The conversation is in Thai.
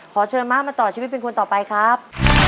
ขอเชิญม้ามาต่อชีวิตเป็นคนต่อไปครับ